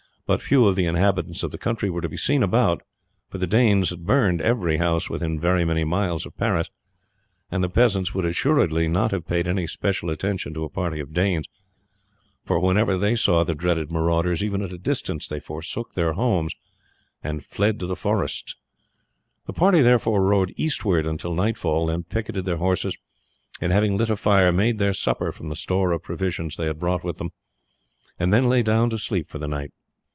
But few of the inhabitants of the country were to be seen about, for the Danes had burned every house within very many miles of Paris, and the peasants would assuredly not have paid any special attention to a party of Danes, for whenever they saw the dreaded marauders even at a distance they forsook their homes and fled to the forests. The party therefore rode eastward until nightfall, then picketed their horses, and having lit a fire, made their supper from the store of provisions they had brought with them, and then lay down to sleep for the night.